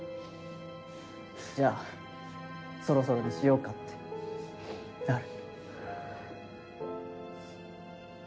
じゃあそろそろにしようかってなる。